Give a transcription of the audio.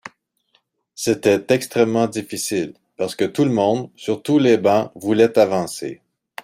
C’était extrêmement difficile, parce que tout le monde, sur tous les bancs, voulait avancer.